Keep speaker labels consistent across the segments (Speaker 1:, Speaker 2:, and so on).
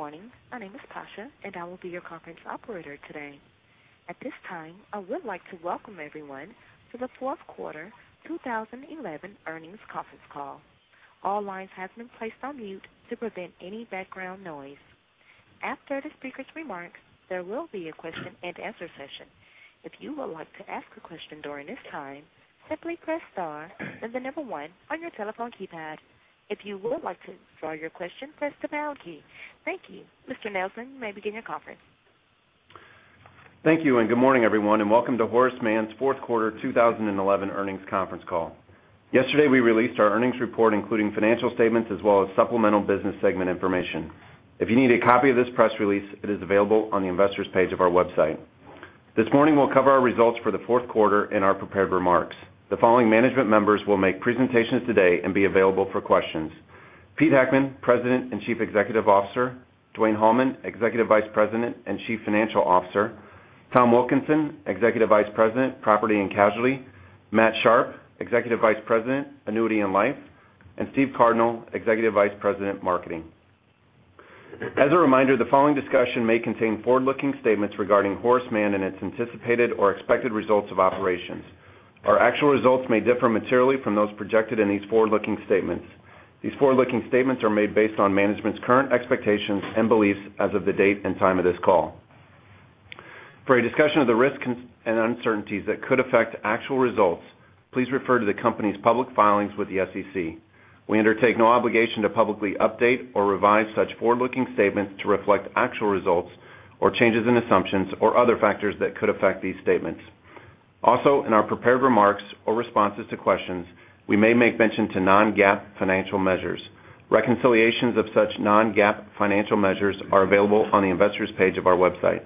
Speaker 1: Morning. My name is Tasha, and I will be your conference operator today. At this time, I would like to welcome everyone to the fourth quarter 2011 earnings conference call. All lines have been placed on mute to prevent any background noise. After the speaker's remarks, there will be a question and answer session. If you would like to ask a question during this time, simply press star, then the 1 on your telephone keypad. If you would like to withdraw your question, press the pound key. Thank you. Mr. Nelson, you may begin your conference.
Speaker 2: Thank you, and good morning, everyone, and welcome to Horace Mann's fourth quarter 2011 earnings conference call. Yesterday, we released our earnings report, including financial statements as well as supplemental business segment information. If you need a copy of this press release, it is available on the investors page of our website. This morning, we'll cover our results for the fourth quarter in our prepared remarks. The following management members will make presentations today and be available for questions: Peter Heckman, President and Chief Executive Officer, Dwayne Hallman, Executive Vice President and Chief Financial Officer, Tom Wilkinson, Executive Vice President, Property and Casualty, Matthew Sharpe, Executive Vice President, Annuity and Life, and Steve Cardinal, Executive Vice President, Marketing. As a reminder, the following discussion may contain forward-looking statements regarding Horace Mann and its anticipated or expected results of operations. Our actual results may differ materially from those projected in these forward-looking statements. These forward-looking statements are made based on management's current expectations and beliefs as of the date and time of this call. For a discussion of the risks and uncertainties that could affect actual results, please refer to the company's public filings with the SEC. We undertake no obligation to publicly update or revise such forward-looking statements to reflect actual results or changes in assumptions or other factors that could affect these statements. Also, in our prepared remarks or responses to questions, we may make mention to non-GAAP financial measures. Reconciliations of such non-GAAP financial measures are available on the investors page of our website.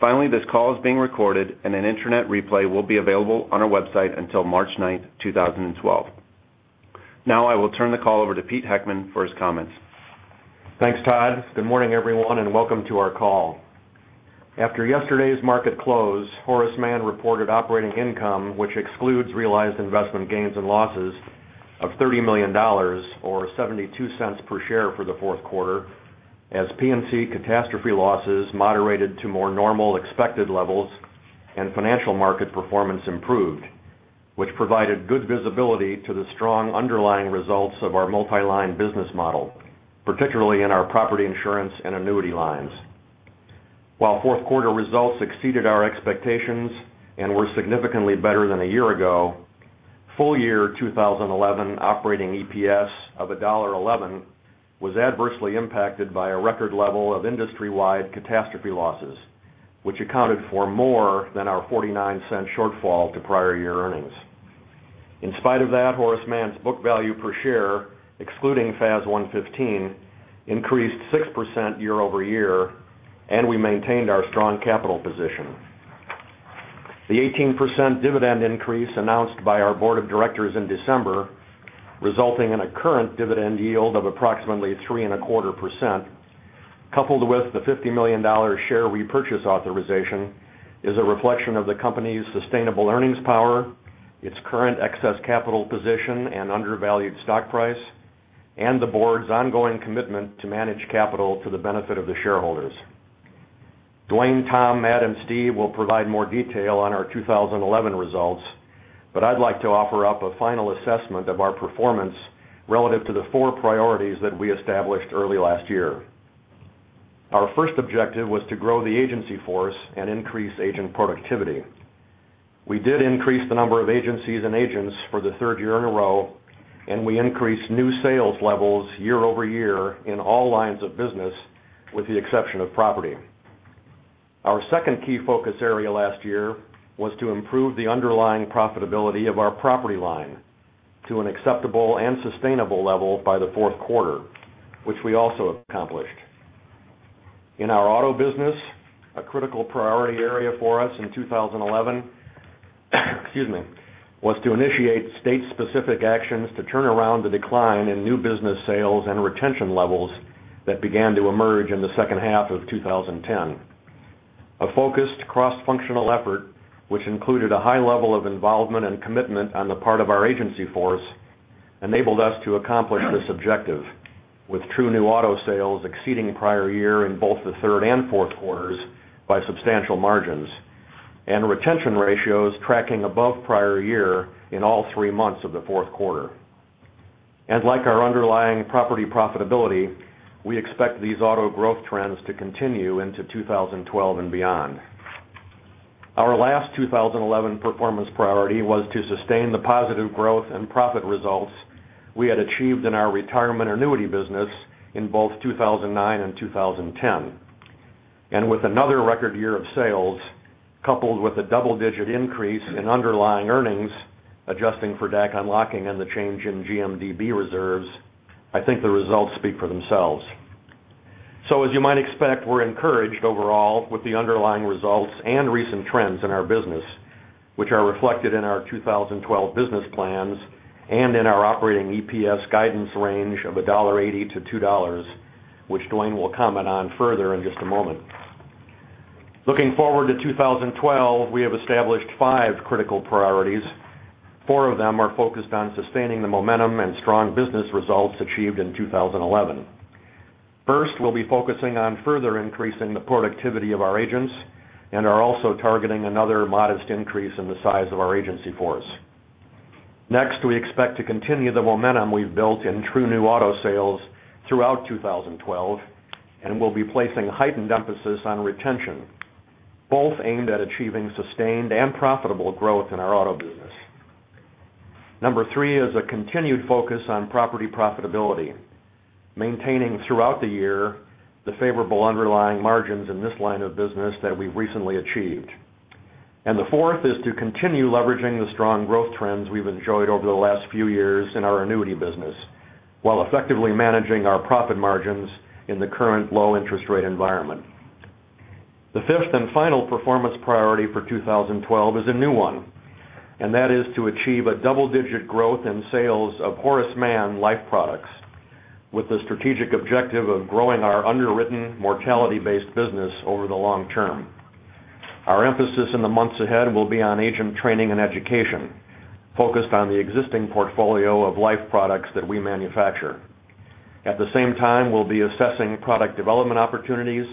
Speaker 2: Finally, this call is being recorded, and an internet replay will be available on our website until March 9th, 2012. I will turn the call over to Peter Heckman for his comments.
Speaker 3: Thanks, Todd. Good morning, everyone, and welcome to our call. After yesterday's market close, Horace Mann reported operating income, which excludes realized investment gains and losses of $30 million or $0.72 per share for the fourth quarter as P&C catastrophe losses moderated to more normal expected levels and financial market performance improved, which provided good visibility to the strong underlying results of our multi-line business model, particularly in our property insurance and annuity lines. While fourth quarter results exceeded our expectations and were significantly better than a year ago, full year 2011 operating EPS of $1.11 was adversely impacted by a record level of industry-wide catastrophe losses, which accounted for more than our $0.49 shortfall to prior year earnings. In spite of that, Horace Mann's book value per share, excluding FAS 115, increased 6% year-over-year, and we maintained our strong capital position. The 18% dividend increase announced by our board of directors in December, resulting in a current dividend yield of approximately 3.25%, coupled with the $50 million share repurchase authorization, is a reflection of the company's sustainable earnings power, its current excess capital position and undervalued stock price, and the board's ongoing commitment to manage capital to the benefit of the shareholders. Dwayne, Tom, Matt Sharpe, and Stephen will provide more detail on our 2011 results, but I'd like to offer up a final assessment of our performance relative to the four priorities that we established early last year. Our first objective was to grow the agency force and increase agent productivity. We did increase the number of agencies and agents for the third year in a row, and we increased new sales levels year-over-year in all lines of business, with the exception of property. Our second key focus area last year was to improve the underlying profitability of our property line to an acceptable and sustainable level by the fourth quarter, which we also accomplished. In our auto business, a critical priority area for us in 2011 was to initiate state-specific actions to turn around the decline in new business sales and retention levels that began to emerge in the second half of 2010. A focused cross-functional effort, which included a high level of involvement and commitment on the part of our agency force, enabled us to accomplish this objective with true new auto sales exceeding prior year in both the third and fourth quarters by substantial margins and retention ratios tracking above prior year in all three months of the fourth quarter. Like our underlying property profitability, we expect these auto growth trends to continue into 2012 and beyond. Our last 2011 performance priority was to sustain the positive growth and profit results we had achieved in our retirement annuity business in both 2009 and 2010. With another record year of sales, coupled with a double-digit increase in underlying earnings, adjusting for DAC unlocking and the change in GMDB reserves, I think the results speak for themselves. As you might expect, we're encouraged overall with the underlying results and recent trends in our business, which are reflected in our 2012 business plans and in our operating EPS guidance range of $1.80 to $2, which Dwayne will comment on further in just a moment. Looking forward to 2012, we have established five critical priorities. Four of them are focused on sustaining the momentum and strong business results achieved in 2011. First, we'll be focusing on further increasing the productivity of our agents and are also targeting another modest increase in the size of our agency force. Next, we expect to continue the momentum we've built in true new auto sales throughout 2012, and we'll be placing heightened emphasis on retention, both aimed at achieving sustained and profitable growth in our auto business. Number three is a continued focus on property profitability, maintaining throughout the year the favorable underlying margins in this line of business that we've recently achieved. The fourth is to continue leveraging the strong growth trends we've enjoyed over the last few years in our annuity business while effectively managing our profit margins in the current low interest rate environment. The fifth and final performance priority for 2012 is a new one, that is to achieve a double-digit growth in sales of Horace Mann Life products with the strategic objective of growing our underwritten mortality-based business over the long term. Our emphasis in the months ahead will be on agent training and education, focused on the existing portfolio of life products that we manufacture. At the same time, we'll be assessing product development opportunities,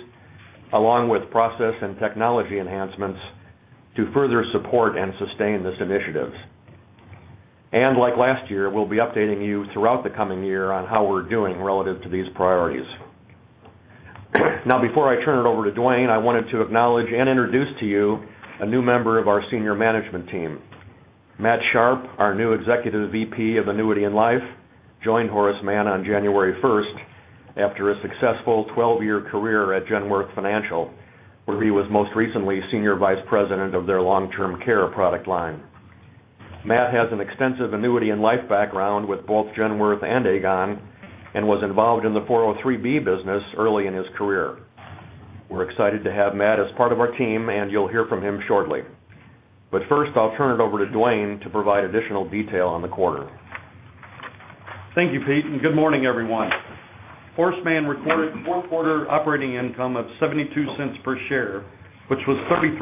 Speaker 3: along with process and technology enhancements to further support and sustain this initiative. Like last year, we'll be updating you throughout the coming year on how we're doing relative to these priorities. Before I turn it over to Dwayne, I wanted to acknowledge and introduce to you a new member of our senior management team. Matt Sharpe, our new Executive VP of Annuity and Life, joined Horace Mann on January 1st after a successful 12-year career at Genworth Financial, where he was most recently Senior Vice President of their long-term care product line. Matt has an extensive annuity and life background with both Genworth and Aegon and was involved in the 403(b) business early in his career. We're excited to have Matt as part of our team, you'll hear from him shortly. First, I'll turn it over to Dwayne to provide additional detail on the quarter.
Speaker 4: Thank you, Pete, good morning, everyone. Horace Mann recorded fourth quarter operating income of $0.72 per share, which was $0.33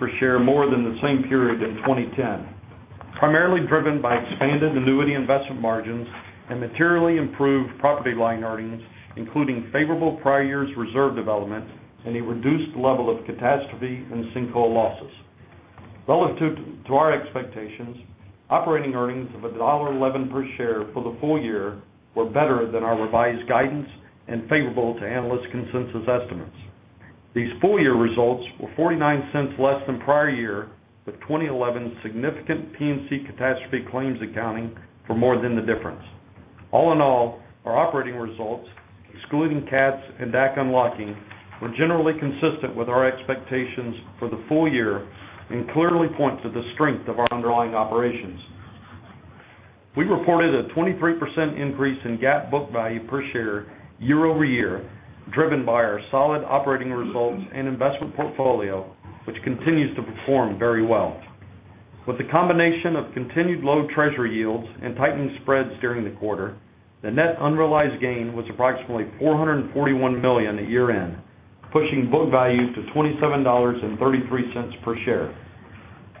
Speaker 4: per share more than the same period in 2010, primarily driven by expanded annuity investment margins and materially improved property line earnings, including favorable prior years reserve development and a reduced level of catastrophe and sinkhole losses. Relative to our expectations, operating earnings of $1.11 per share for the full year were better than our revised guidance and favorable to analyst consensus estimates. These full year results were $0.49 less than prior year, with 2011 significant P&C catastrophe claims accounting for more than the difference. All in all, our operating results, excluding CATs and DAC unlocking, were generally consistent with our expectations for the full year and clearly point to the strength of our underlying operations. We reported a 23% increase in GAAP book value per share year-over-year, driven by our solid operating results and investment portfolio, which continues to perform very well. With the combination of continued low treasury yields and tightened spreads during the quarter, the net unrealized gain was approximately $441 million at year-end, pushing book value to $27.33 per share.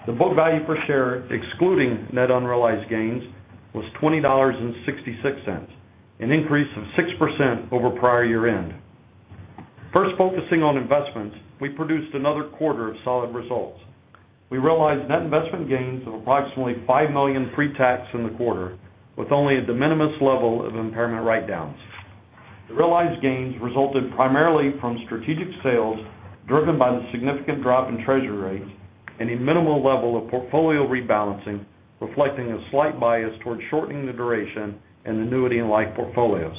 Speaker 4: The book value per share, excluding net unrealized gains, was $20.66, an increase of 6% over prior year-end. First focusing on investments, we produced another quarter of solid results. We realized net investment gains of approximately $5 million pre-tax in the quarter, with only a de minimis level of impairment write-downs. The realized gains resulted primarily from strategic sales driven by the significant drop in treasury rates and a minimal level of portfolio rebalancing, reflecting a slight bias towards shortening the duration in annuity and life portfolios.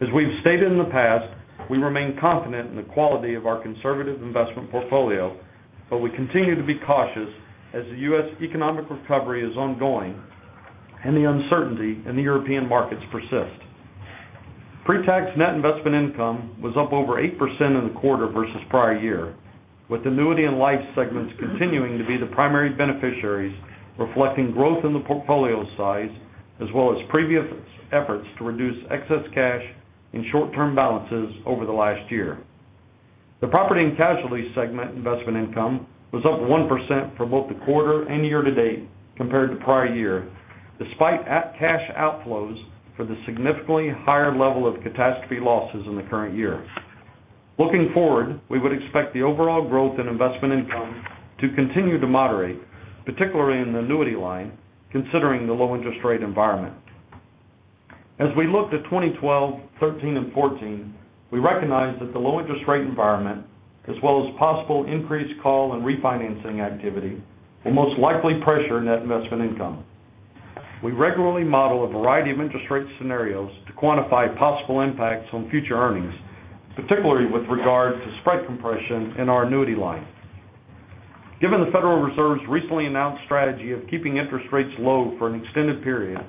Speaker 4: As we've stated in the past, we remain confident in the quality of our conservative investment portfolio, but we continue to be cautious as the U.S. economic recovery is ongoing and the uncertainty in the European markets persist. Pre-tax net investment income was up over 8% in the quarter versus prior year, with annuity and life segments continuing to be the primary beneficiaries, reflecting growth in the portfolio size as well as previous efforts to reduce excess cash and short-term balances over the last year. The Property and Casualty segment investment income was up 1% for both the quarter and year to date compared to prior year, despite cash outflows for the significantly higher level of catastrophe losses in the current year. Looking forward, we would expect the overall growth in investment income to continue to moderate, particularly in the annuity line, considering the low interest rate environment. As we look to 2012, 2013, and 2014, we recognize that the low interest rate environment, as well as possible increased call and refinancing activity, will most likely pressure net investment income. We regularly model a variety of interest rate scenarios to quantify possible impacts on future earnings, particularly with regard to spread compression in our annuity line. Given the Federal Reserve's recently announced strategy of keeping interest rates low for an extended period,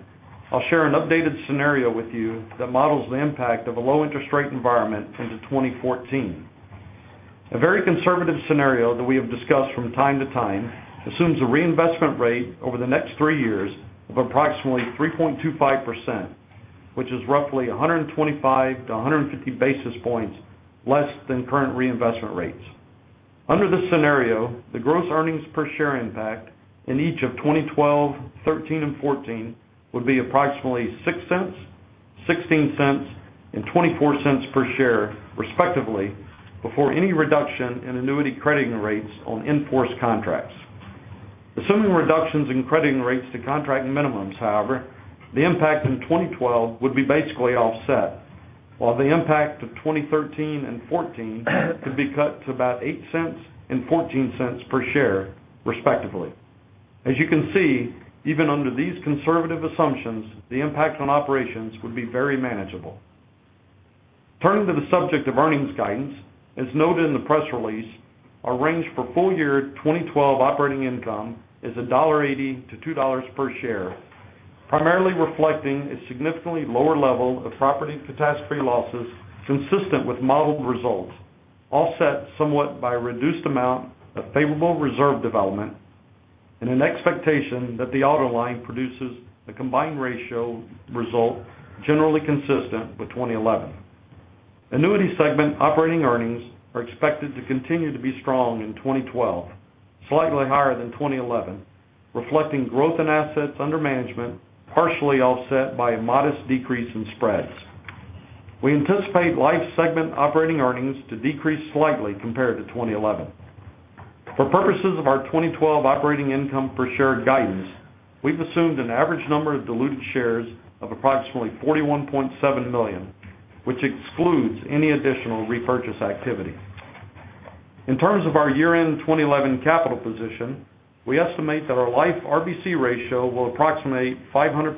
Speaker 4: I'll share an updated scenario with you that models the impact of a low interest rate environment into 2014. A very conservative scenario that we have discussed from time to time assumes a reinvestment rate over the next three years of approximately 3.25%. Which is roughly 125 to 150 basis points less than current reinvestment rates. Under this scenario, the gross earnings per share impact in each of 2012, 2013, and 2014 would be approximately $0.06, $0.16, and $0.24 per share, respectively, before any reduction in annuity crediting rates on in-force contracts. Assuming reductions in crediting rates to contract minimums, however, the impact in 2012 would be basically offset, while the impact of 2013 and 2014 could be cut to about $0.08 and $0.14 per share, respectively. As you can see, even under these conservative assumptions, the impact on operations would be very manageable. Turning to the subject of earnings guidance, as noted in the press release, our range for full-year 2012 operating income is $1.80 to $2 per share, primarily reflecting a significantly lower level of Property catastrophe losses consistent with modeled results, offset somewhat by a reduced amount of favorable reserve development and an expectation that the auto line produces a combined ratio result generally consistent with 2011. Annuity segment operating earnings are expected to continue to be strong in 2012, slightly higher than 2011, reflecting growth in assets under management, partially offset by a modest decrease in spreads. We anticipate life segment operating earnings to decrease slightly compared to 2011. For purposes of our 2012 operating income per share guidance, we've assumed an average number of diluted shares of approximately 41.7 million, which excludes any additional repurchase activity. In terms of our year-end 2011 capital position, we estimate that our life RBC ratio will approximate 500%,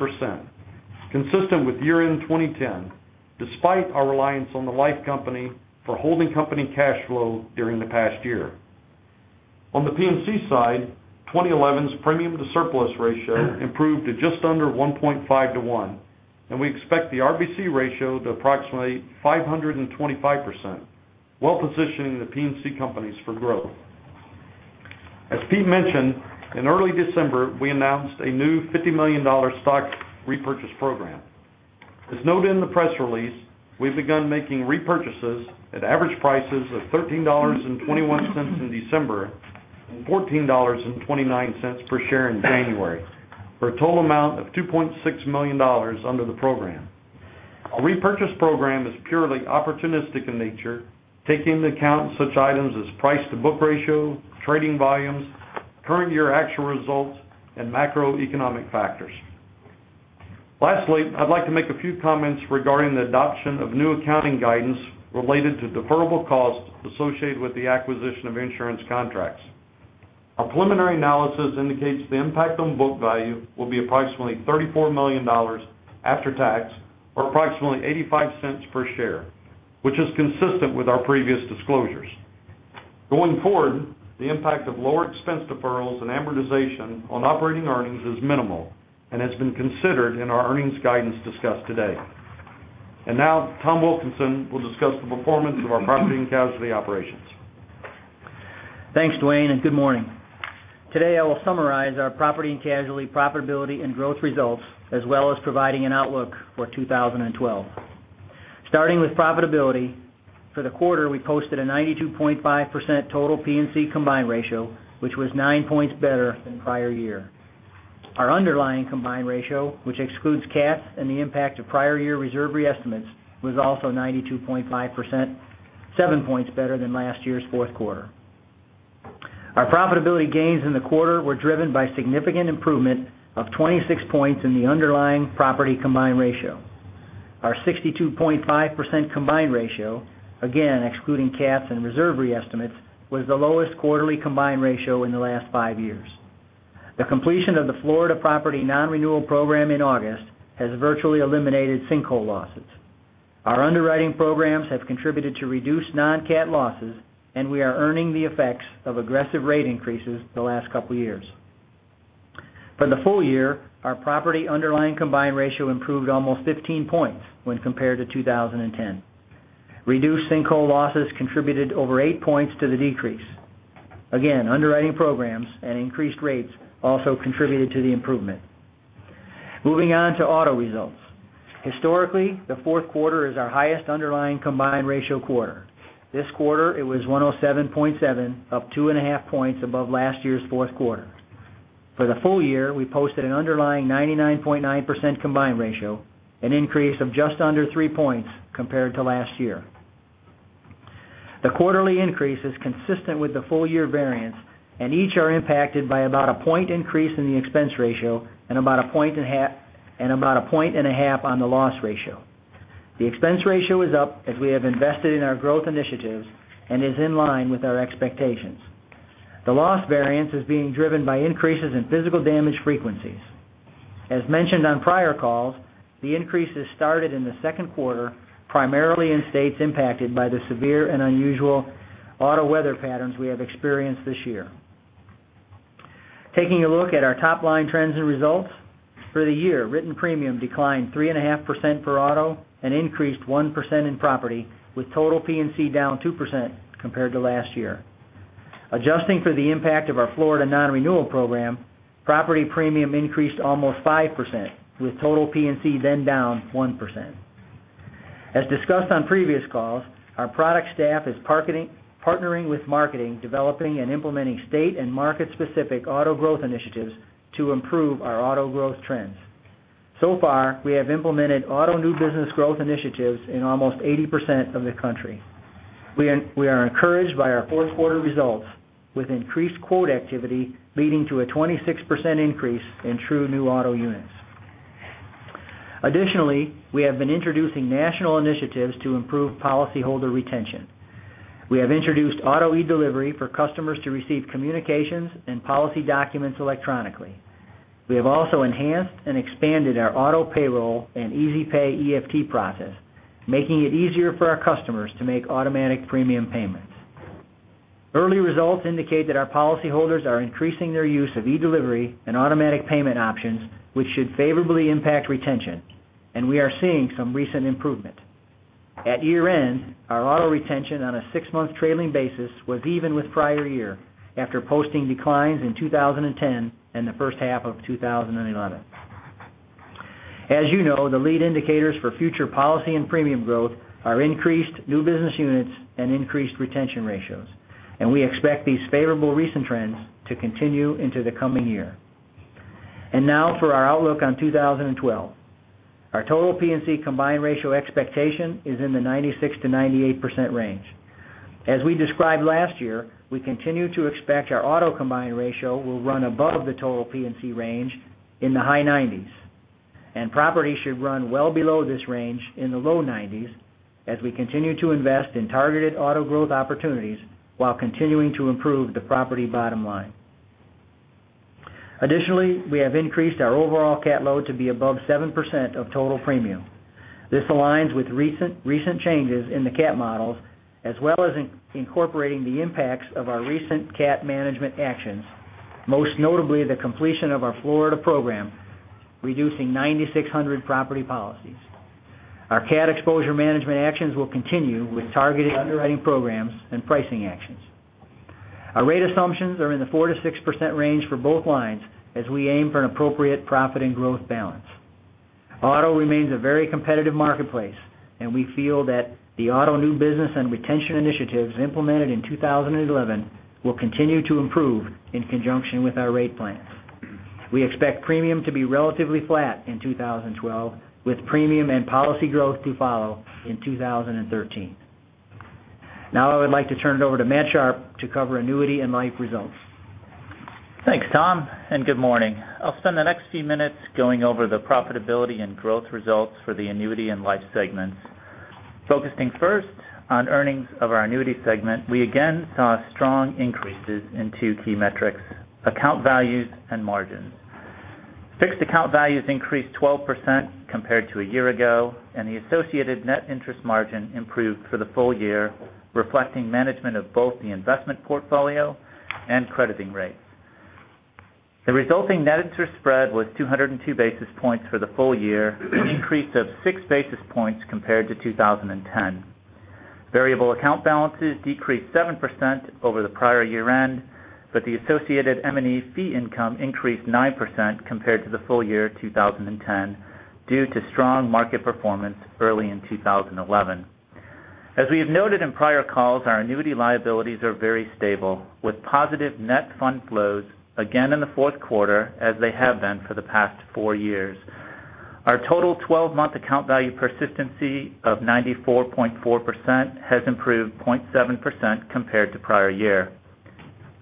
Speaker 4: consistent with year-end 2010, despite our reliance on the life company for holding company cash flow during the past year. On the P&C side, 2011's premium to surplus ratio improved to just under 1.5 to one, and we expect the RBC ratio to approximately 525%, well positioning the P&C companies for growth. As Pete mentioned, in early December, we announced a new $50 million stock repurchase program. As noted in the press release, we've begun making repurchases at average prices of $13.21 in December and $14.29 per share in January. For a total amount of $2.6 million under the program. Our repurchase program is purely opportunistic in nature, taking into account such items as price to book ratio, trading volumes, current year actual results, and macroeconomic factors. Lastly, I'd like to make a few comments regarding the adoption of new accounting guidance related to deferrable costs associated with the acquisition of insurance contracts. Our preliminary analysis indicates the impact on book value will be approximately $34 million after tax or approximately $0.85 per share, which is consistent with our previous disclosures. Going forward, the impact of lower expense deferrals and amortization on operating earnings is minimal and has been considered in our earnings guidance discussed today. Now Tom Wilkinson will discuss the performance of our property and casualty operations.
Speaker 5: Thanks, Dwayne, and good morning. Today I will summarize our property and casualty profitability and growth results, as well as providing an outlook for 2012. Starting with profitability, for the quarter, we posted a 92.5% total P&C combined ratio, which was nine points better than prior year. Our underlying combined ratio, which excludes CATs and the impact of prior year reserve re-estimates, was also 92.5%, seven points better than last year's fourth quarter. Our profitability gains in the quarter were driven by significant improvement of 26 points in the underlying property combined ratio. Our 62.5% combined ratio, again, excluding CATs and reserve re-estimates, was the lowest quarterly combined ratio in the last five years. The completion of the Florida property non-renewal program in August has virtually eliminated sinkhole losses. Our underwriting programs have contributed to reduced non-CAT losses, we are earning the effects of aggressive rate increases the last couple years. For the full year, our property underlying combined ratio improved almost 15 points when compared to 2010. Reduced sinkhole losses contributed over eight points to the decrease. Again, underwriting programs and increased rates also contributed to the improvement. Moving on to auto results. Historically, the fourth quarter is our highest underlying combined ratio quarter. This quarter, it was 107.7, up two and a half points above last year's fourth quarter. For the full year, we posted an underlying 99.9% combined ratio, an increase of just under three points compared to last year. The quarterly increase is consistent with the full year variance, and each are impacted by about a point increase in the expense ratio and about a point and a half on the loss ratio. The expense ratio is up as we have invested in our growth initiatives and is in line with our expectations. The loss variance is being driven by increases in physical damage frequencies. As mentioned on prior calls, the increases started in the second quarter, primarily in states impacted by the severe and unusual auto weather patterns we have experienced this year. Taking a look at our top-line trends and results. For the year, written premium declined 3.5% for auto and increased 1% in property, with total P&C down 2% compared to last year. Adjusting for the impact of our Florida non-renewal program, property premium increased almost 5%, with total P&C then down 1%. As discussed on previous calls, our product staff is partnering with marketing, developing and implementing state and market-specific auto growth initiatives to improve our auto growth trends. So far, we have implemented auto new business growth initiatives in almost 80% of the country. We are encouraged by our fourth quarter results, with increased quote activity leading to a 26% increase in true new auto units. Additionally, we have been introducing national initiatives to improve policyholder retention. We have introduced auto eDelivery for customers to receive communications and policy documents electronically. We have also enhanced and expanded our auto payroll and easy pay EFT process, making it easier for our customers to make automatic premium payments. Early results indicate that our policyholders are increasing their use of eDelivery and automatic payment options, which should favorably impact retention, and we are seeing some recent improvement. At year-end, our auto retention on a six-month trailing basis was even with prior year, after posting declines in 2010 and the first half of 2011. As you know, the lead indicators for future policy and premium growth are increased new business units and increased retention ratios. We expect these favorable recent trends to continue into the coming year. Now for our outlook on 2012. Our total P&C combined ratio expectation is in the 96%-98% range. As we described last year, we continue to expect our auto combined ratio will run above the total P&C range in the high 90s, and property should run well below this range in the low 90s as we continue to invest in targeted auto growth opportunities while continuing to improve the property bottom line. Additionally, we have increased our overall cat load to be above 7% of total premium. This aligns with recent changes in the cat models, as well as incorporating the impacts of our recent cat management actions, most notably the completion of our Florida program, reducing 9,600 property policies. Our cat exposure management actions will continue with targeted underwriting programs and pricing actions. Our rate assumptions are in the 4%-6% range for both lines as we aim for an appropriate profit and growth balance. Auto remains a very competitive marketplace, and we feel that the auto new business and retention initiatives implemented in 2011 will continue to improve in conjunction with our rate plans. We expect premium to be relatively flat in 2012, with premium and policy growth to follow in 2013. I would like to turn it over to Matt Sharpe to cover annuity and life results.
Speaker 6: Thanks, Tom, good morning. I will spend the next few minutes going over the profitability and growth results for the annuity and life segments. Focusing first on earnings of our annuity segment, we again saw strong increases in two key metrics, account values and margins. Fixed account values increased 12% compared to a year ago, and the associated net interest margin improved for the full year, reflecting management of both the investment portfolio and crediting rates. The resulting net interest spread was 202 basis points for the full year, an increase of six basis points compared to 2010. Variable account balances decreased 7% over the prior year end, but the associated M&E fee income increased 9% compared to the full year 2010 due to strong market performance early in 2011. As we have noted in prior calls, our annuity liabilities are very stable, with positive net fund flows again in the fourth quarter as they have been for the past four years. Our total 12-month account value persistency of 94.4% has improved 0.7% compared to prior year.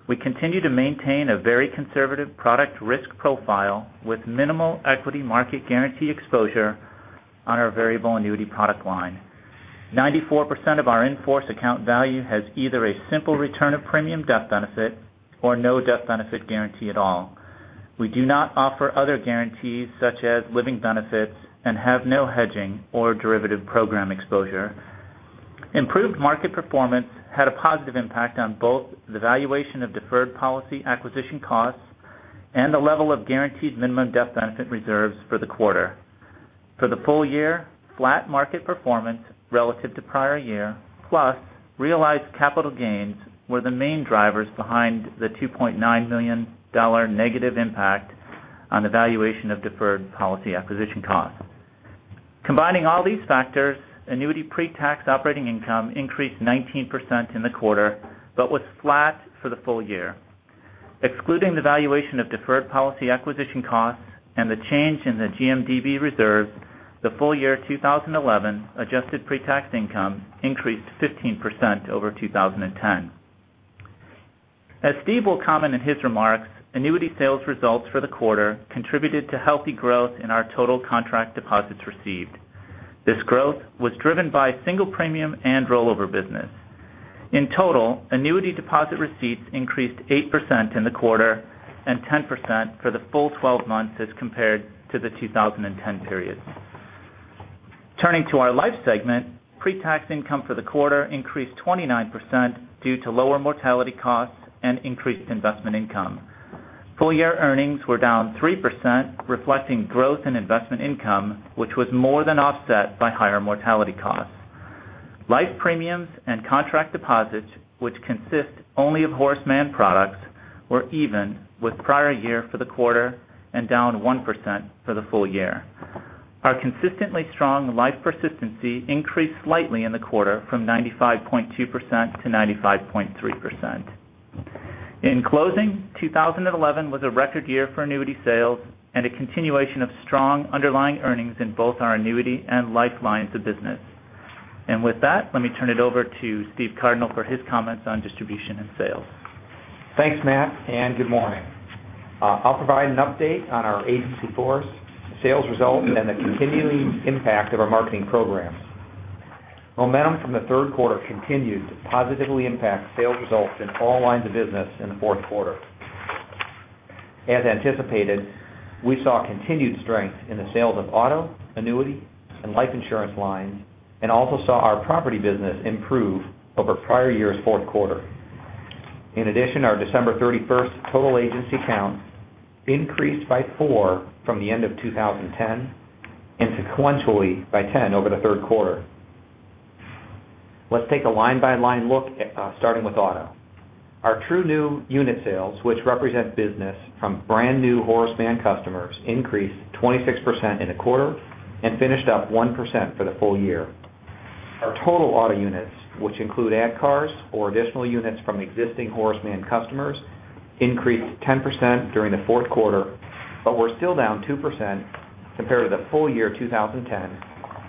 Speaker 6: We continue to maintain a very conservative product risk profile with minimal equity market guarantee exposure on our variable annuity product line. 94% of our in-force account value has either a simple return of premium death benefit or no death benefit guarantee at all. We do not offer other guarantees such as living benefits and have no hedging or derivative program exposure. Improved market performance had a positive impact on both the valuation of deferred policy acquisition costs and the level of guaranteed minimum death benefit reserves for the quarter. For the full year, flat market performance relative to prior year, plus realized capital gains were the main drivers behind the $2.9 million negative impact on the valuation of deferred policy acquisition costs. Combining all these factors, annuity pre-tax operating income increased 19% in the quarter but was flat for the full year. Excluding the valuation of deferred policy acquisition costs and the change in the GMDB reserve, the full year 2011 adjusted pre-tax income increased 15% over 2010. As Steve will comment in his remarks, annuity sales results for the quarter contributed to healthy growth in our total contract deposits received. This growth was driven by single premium and rollover business. In total, annuity deposit receipts increased 8% in the quarter and 10% for the full 12 months as compared to the 2010 period. Turning to our life segment, pre-tax income for the quarter increased 29% due to lower mortality costs and increased investment income. Full year earnings were down 3%, reflecting growth in investment income, which was more than offset by higher mortality costs. Life premiums and contract deposits, which consist only of Horace Mann products, were even with prior year for the quarter and down 1% for the full year. Our consistently strong life persistency increased slightly in the quarter from 95.2% to 95.3%. In closing, 2011 was a record year for annuity sales and a continuation of strong underlying earnings in both our annuity and life lines of business. With that, let me turn it over to Steve Cardinal for his comments on distribution and sales.
Speaker 7: Thanks, Matt, good morning. I'll provide an update on our agency force, sales results, and the continuing impact of our marketing programs. Momentum from the third quarter continued to positively impact sales results in all lines of business in the fourth quarter. As anticipated, we saw continued strength in the sales of auto, annuity, and life insurance lines, and also saw our property business improve over prior year's fourth quarter. In addition, our December 31st total agency count increased by four from the end of 2010 and sequentially by 10 over the third quarter. Let's take a line-by-line look, starting with auto. Our true new unit sales, which represent business from brand-new Horace Mann customers, increased 26% in the quarter and finished up 1% for the full year. Our total auto units, which include add cars or additional units from existing Horace Mann customers, increased 10% during the fourth quarter but were still down 2% compared to the full year 2010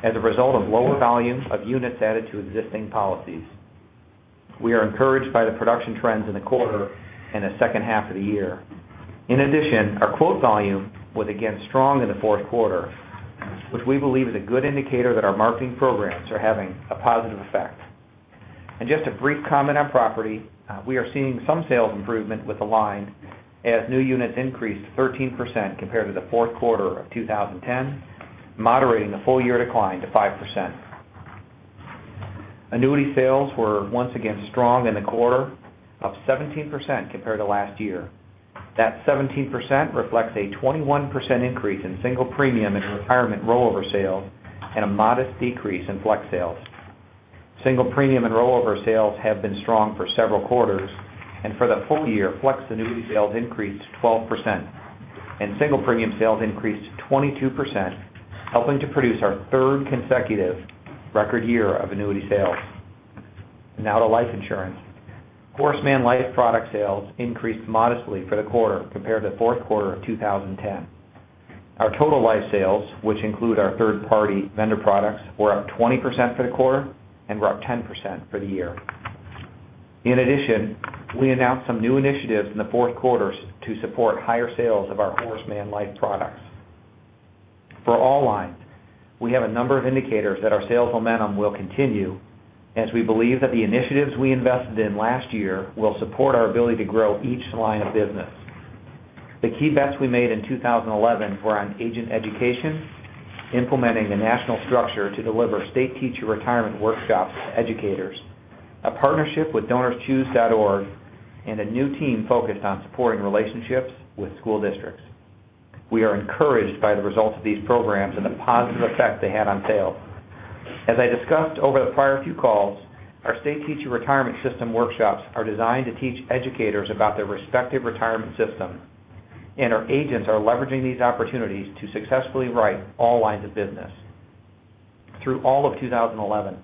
Speaker 7: as a result of lower volumes of units added to existing policies. We are encouraged by the production trends in the quarter and the second half of the year. In addition, our quote volume was again strong in the fourth quarter, which we believe is a good indicator that our marketing programs are having a positive effect. Just a brief comment on property. We are seeing some sales improvement with the line as new units increased 13% compared to the fourth quarter of 2010, moderating the full-year decline to 5%. Annuity sales were once again strong in the quarter, up 17% compared to last year. That 17% reflects a 21% increase in single premium and retirement rollover sales and a modest decrease in flex sales. Single premium and rollover sales have been strong for several quarters. For the full year, flex annuity sales increased 12% and single premium sales increased 22%, helping to produce our third consecutive record year of annuity sales. Now to life insurance. Horace Mann life product sales increased modestly for the quarter compared to the fourth quarter of 2010. Our total life sales, which include our third-party vendor products, were up 20% for the quarter and were up 10% for the year. In addition, we announced some new initiatives in the fourth quarter to support higher sales of our Horace Mann life products. For all lines, we have a number of indicators that our sales momentum will continue as we believe that the initiatives we invested in last year will support our ability to grow each line of business. The key bets we made in 2011 were on agent education, implementing a national structure to deliver state teacher retirement workshops to educators, a partnership with donorschoose.org, and a new team focused on supporting relationships with school districts. We are encouraged by the results of these programs and the positive effect they had on sales. As I discussed over the prior few calls, our state teacher retirement system workshops are designed to teach educators about their respective retirement system, and our agents are leveraging these opportunities to successfully write all lines of business. Through all of 2011,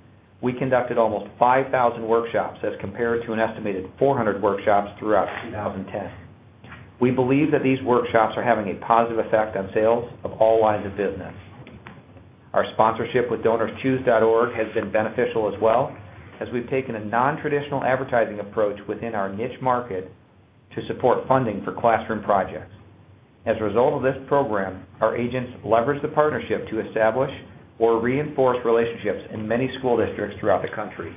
Speaker 7: we conducted almost 5,000 workshops as compared to an estimated 400 workshops throughout 2010. We believe that these workshops are having a positive effect on sales of all lines of business. Our sponsorship with donorschoose.org has been beneficial as well as we've taken a non-traditional advertising approach within our niche market to support funding for classroom projects. As a result of this program, our agents leverage the partnership to establish or reinforce relationships in many school districts throughout the country.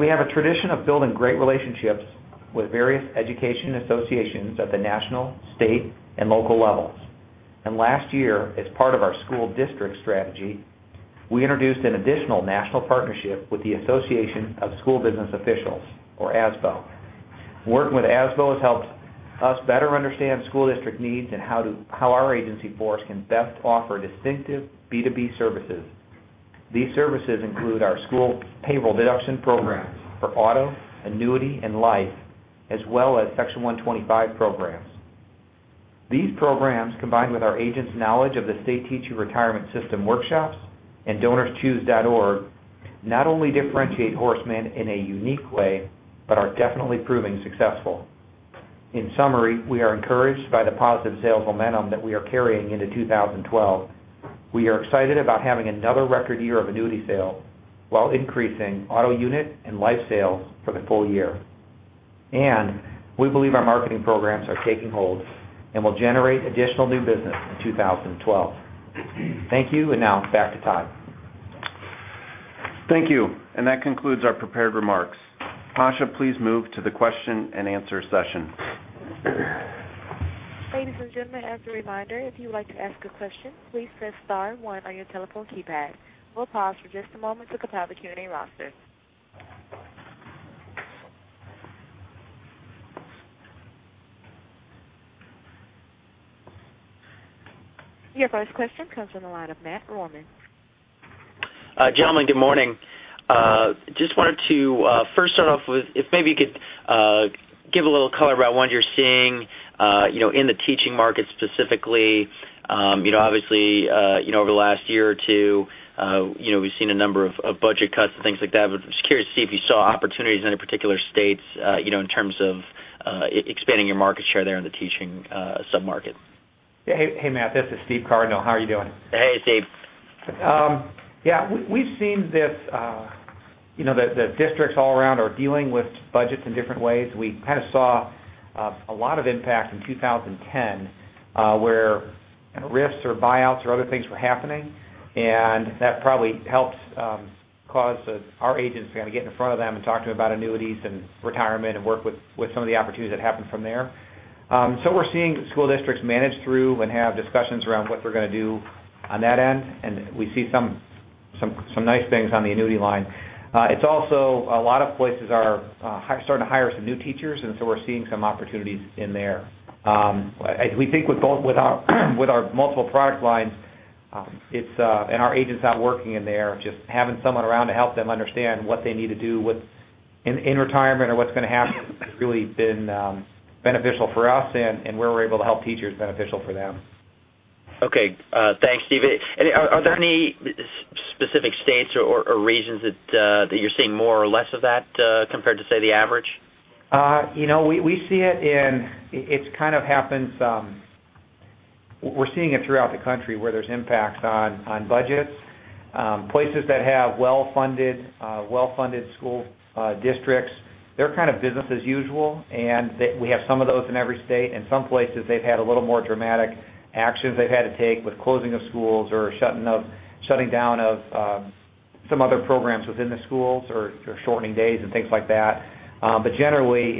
Speaker 7: We have a tradition of building great relationships with various education associations at the national, state, and local levels. Last year, as part of our school district strategy, we introduced an additional national partnership with the Association of School Business Officials, or ASBO. Working with ASBO has helped us better understand school district needs and how our agency force can best offer distinctive B2B services. These services include our school payroll deduction programs for auto, annuity, and life, as well as Section 125 programs. These programs, combined with our agents' knowledge of the state teacher retirement system workshops and donorschoose.org, not only differentiate Horace Mann in a unique way but are definitely proving successful. In summary, we are encouraged by the positive sales momentum that we are carrying into 2012. We are excited about having another record year of annuity sales while increasing auto unit and life sales for the full year. We believe our marketing programs are taking hold and will generate additional new business in 2012. Thank you, and now back to Todd.
Speaker 2: Thank you. That concludes our prepared remarks. Tasha, please move to the question and answer session.
Speaker 1: Ladies and gentlemen, as a reminder, if you would like to ask a question, please press star one on your telephone keypad. We'll pause for just a moment to compile the Q&A roster. Your first question comes from the line of Matthew Carletti.
Speaker 8: Gentlemen, good morning. Just wanted to first start off with, if maybe you could give a little color about what you're seeing in the teaching market specifically. Obviously, over the last one or two, we've seen a number of budget cuts and things like that. Just curious to see if you saw opportunities in any particular states in terms of expanding your market share there in the teaching sub-market.
Speaker 7: Hey, Matt. This is Stephen J. McAnena. How are you doing?
Speaker 8: Hey, Steve.
Speaker 7: Yeah, we've seen the districts all around are dealing with budgets in different ways. We kind of saw a lot of impact in 2010, where RIFs or buyouts or other things were happening, that probably helped cause our agents to get in front of them and talk to them about annuities and retirement, and work with some of the opportunities that happened from there. We're seeing school districts manage through and have discussions around what they're going to do on that end, and we see some nice things on the annuity line. It's also, a lot of places are starting to hire some new teachers, we're seeing some opportunities in there. We think with our multiple product lines, and our agents out working in there, just having someone around to help them understand what they need to do in retirement or what's going to happen has really been beneficial for us, and where we're able to help teachers, beneficial for them.
Speaker 8: Okay. Thanks, Steve. Are there any specific states or regions that you're seeing more or less of that compared to, say, the average?
Speaker 7: We see it, we're seeing it throughout the country where there's impacts on budgets. Places that have well-funded school districts, they're kind of business as usual, and we have some of those in every state. In some places, they've had a little more dramatic actions they've had to take with closing of schools or shutting down of some other programs within the schools, or shortening days and things like that. Generally,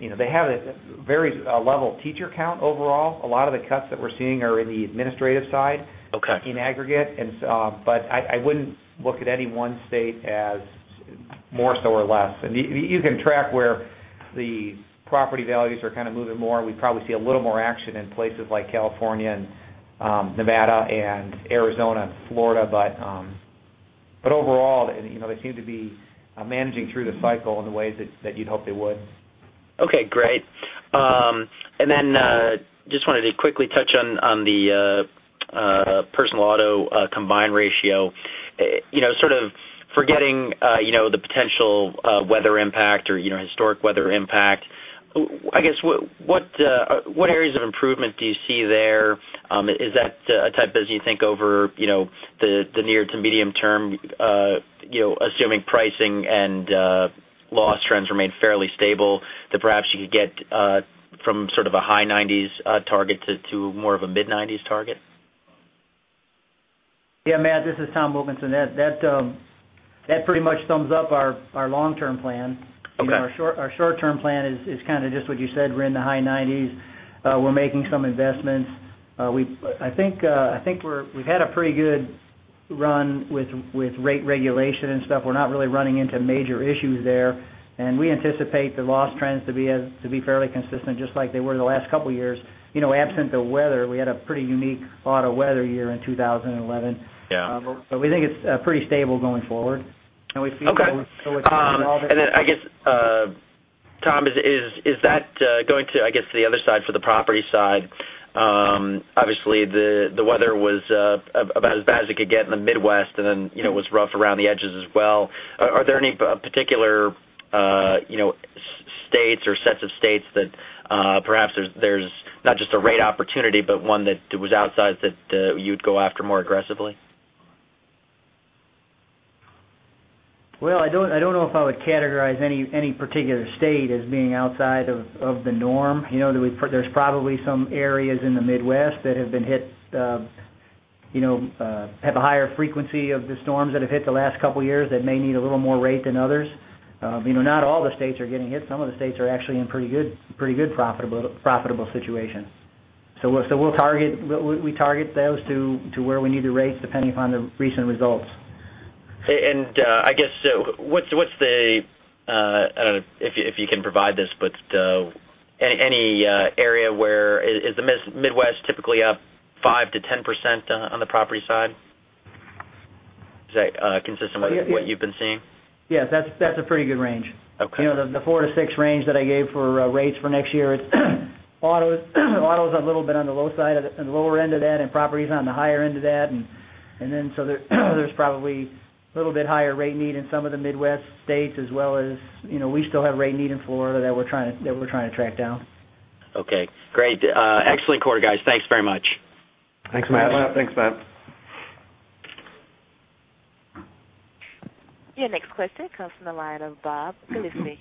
Speaker 7: they have a very level teacher count overall. A lot of the cuts that we're seeing are in the administrative side-
Speaker 8: Okay
Speaker 7: In aggregate. I wouldn't look at any one state as more so or less. You can track where the property values are kind of moving more. We probably see a little more action in places like California and Nevada and Arizona and Florida. Overall, they seem to be managing through the cycle in the ways that you'd hope they would.
Speaker 8: Okay, great. Just wanted to quickly touch on the personal auto combined ratio. Sort of forgetting the potential weather impact or historic weather impact, I guess, what areas of improvement do you see there? Is that a type as you think over the near to medium term, assuming pricing and loss trends remain fairly stable, that perhaps you could get from sort of a high 90s target to more of a mid-90s target?
Speaker 5: Yeah, Matt, this is Tom Wilkinson. That pretty much sums up our long-term plan.
Speaker 8: Okay.
Speaker 5: Our short-term plan is kind of just what you said. We're in the high 90s. We're making some investments. I think we've had a pretty good run with rate regulation and stuff. We're not really running into major issues there, we anticipate the loss trends to be fairly consistent, just like they were the last couple of years. Absent the weather, we had a pretty unique auto weather year in 2011.
Speaker 8: Yeah.
Speaker 5: We think it's pretty stable going forward.
Speaker 8: Okay. Then I guess, Tom, going to the other side for the property side, obviously the weather was about as bad as it could get in the Midwest and then was rough around the edges as well. Are there any particular states or sets of states that perhaps there's not just a rate opportunity, but one that was outside that you'd go after more aggressively?
Speaker 5: Well, I don't know if I would categorize any particular state as being outside of the norm. There's probably some areas in the Midwest that have a higher frequency of the storms that have hit the last couple of years that may need a little more rate than others. Not all the states are getting hit. Some of the states are actually in pretty good profitable situations. We target those to where we need to rate, depending upon the recent results.
Speaker 8: I guess, I don't know if you can provide this, but any area is the Midwest typically up 5%-10% on the property side? Is that consistent with what you've been seeing?
Speaker 5: Yes. That's a pretty good range.
Speaker 8: Okay.
Speaker 5: The four to six range that I gave for rates for next year, auto's a little bit on the low side, on the lower end of that, and property's on the higher end of that. There's probably a little bit higher rate need in some of the Midwest states as well as we still have rate need in Florida that we're trying to track down.
Speaker 8: Okay, great. Excellent quarter, guys. Thanks very much.
Speaker 7: Thanks, Matt.
Speaker 5: Thanks, Matt.
Speaker 1: Your next question comes from the line of Bob Glasspiegel.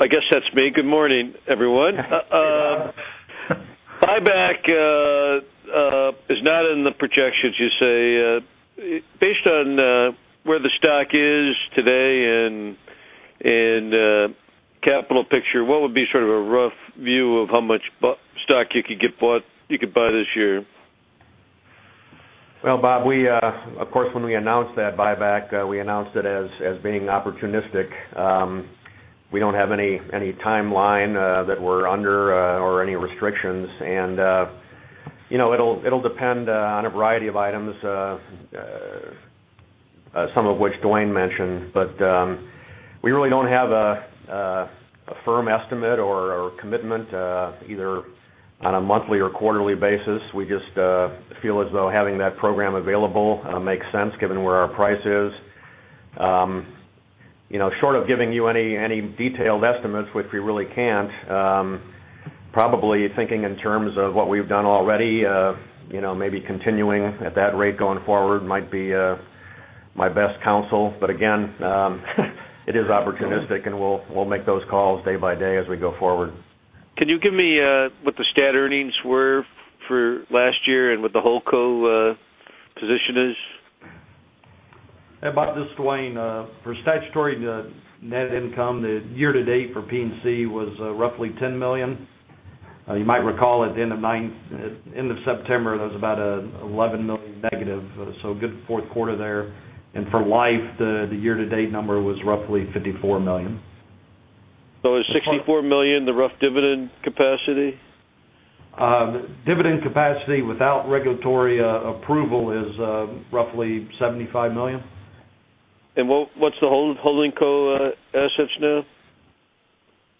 Speaker 9: I guess that's me. Good morning, everyone. Buyback and capital picture, what would be sort of a rough view of how much stock you could buy this year?
Speaker 3: Well, Bob, of course, when we announced that buyback, we announced it as being opportunistic. We don't have any timeline that we're under or any restrictions. It'll depend on a variety of items, some of which Dwayne mentioned. We really don't have a firm estimate or commitment either on a monthly or quarterly basis. We just feel as though having that program available makes sense given where our price is. Short of giving you any detailed estimates, which we really can't, probably thinking in terms of what we've done already, maybe continuing at that rate going forward might be my best counsel. Again, it is opportunistic, and we'll make those calls day by day as we go forward.
Speaker 9: Can you give me what the stat earnings were for last year and what the whole co position is?
Speaker 4: Hey, Bob, this is Dwayne. For statutory net income, the year-to-date for P&C was roughly $10 million. You might recall at the end of September, that was about $11 million negative, so a good fourth quarter there. For Life, the year-to-date number was roughly $54 million.
Speaker 9: Is $64 million the rough dividend capacity?
Speaker 4: Dividend capacity without regulatory approval is roughly $75 million.
Speaker 9: What's the holding co assets now?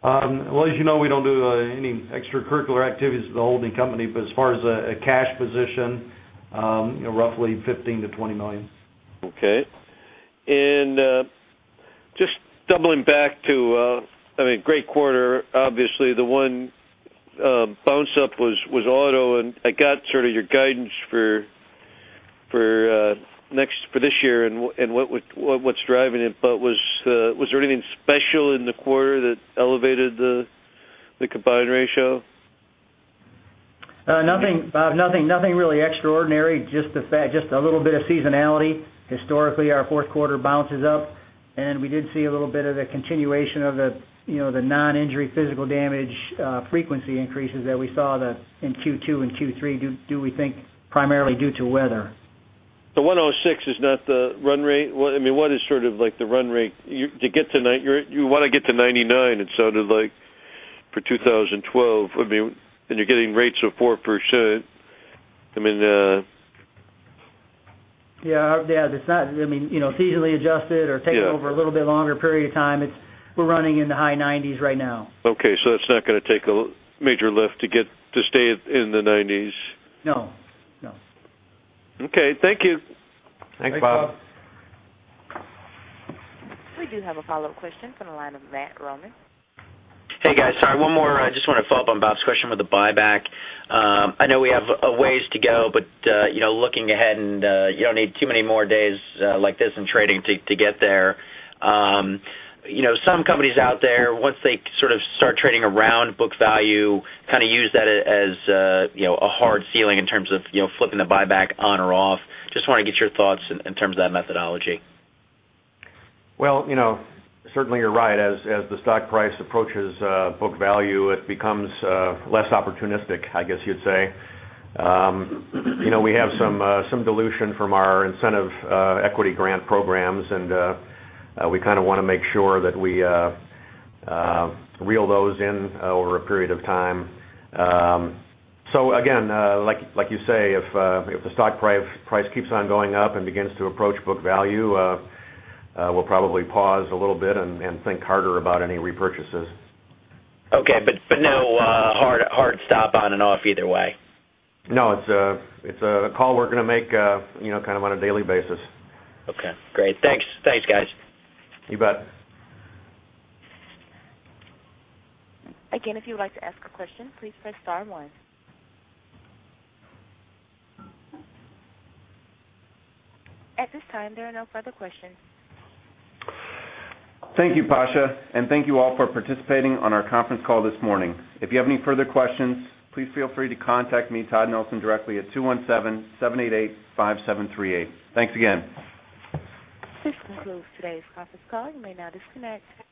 Speaker 4: Well, as you know, we don't do any extracurricular activities with the holding company. As far as a cash position, roughly $15 million-$20 million.
Speaker 9: Okay. Just doubling back to a great quarter, obviously, the one bounce up was auto, and I got sort of your guidance for this year and what's driving it. Was there anything special in the quarter that elevated the combined ratio?
Speaker 5: Nothing, Bob. Nothing really extraordinary, just a little bit of seasonality. Historically, our fourth quarter bounces up. We did see a little bit of the continuation of the non-injury physical damage frequency increases that we saw in Q2 and Q3, due, we think, primarily due to weather.
Speaker 9: 106 is not the run rate? What is sort of the run rate? You want to get to 99, it sounded like, for 2012. I mean, you're getting rates of 4%. I mean,
Speaker 5: Yeah. It's easily adjusted or taken over a little bit longer period of time. We're running in the high 90s right now.
Speaker 9: Okay, it's not going to take a major lift to stay in the 90s.
Speaker 5: No.
Speaker 9: Okay. Thank you.
Speaker 3: Thanks, Bob.
Speaker 4: Thanks, Bob.
Speaker 1: We do have a follow-up question from the line of Matt Carletti.
Speaker 8: Hey, guys. Sorry, one more. I just want to follow up on Bob's question with the buyback. I know we have a ways to go, but looking ahead, and you don't need too many more days like this in trading to get there. Some companies out there, once they sort of start trading around book value, kind of use that as a hard ceiling in terms of flipping the buyback on or off. Just want to get your thoughts in terms of that methodology.
Speaker 3: Well, certainly you're right. As the stock price approaches book value, it becomes less opportunistic, I guess you'd say. We have some dilution from our incentive equity grant programs, and we kind of want to make sure that we reel those in over a period of time. Again, like you say, if the stock price keeps on going up and begins to approach book value, we'll probably pause a little bit and think harder about any repurchases.
Speaker 8: Okay. No hard stop on and off either way.
Speaker 3: No, it's a call we're going to make kind of on a daily basis.
Speaker 8: Okay, great. Thanks. Thanks, guys.
Speaker 3: You bet.
Speaker 1: If you'd like to ask a question, please press star one. At this time, there are no further questions.
Speaker 3: Thank you, Tasha, thank you all for participating on our conference call this morning. If you have any further questions, please feel free to contact me, Todd Nelson, directly at 217-788-5738. Thanks again.
Speaker 1: This concludes today's conference call. You may now disconnect.